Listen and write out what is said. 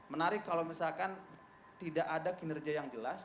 menarik kalau misalkan tidak ada kinerja yang jelas